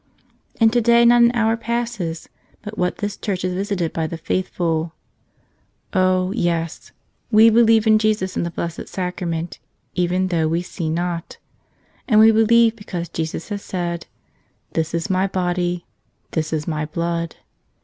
And today not an hour passes but what this church is visited by the faithful. 68 F rom Mamma to Pa{>a Oh, yes; we believe in Jesus in the Blessed Sacra¬ ment, even though we see not. And we believe because Jesus has said, "This is My Body," "This is My Blood."